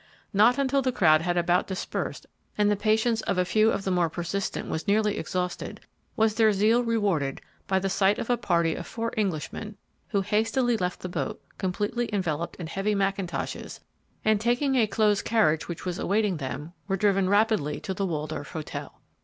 Not until the crowd had about dispersed and the patience of a few of the more persistent was nearly exhausted, was their zeal rewarded by the sight of a party of four Englishmen, who hastily left the boat, completely enveloped in heavy mackintoshes, and, taking a closed carriage which was awaiting them, were driven rapidly to the Waldorf Hotel.